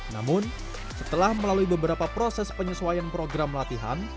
namun setelah melalui beberapa proses penyesuaian program latihan